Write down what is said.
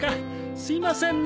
すみませんね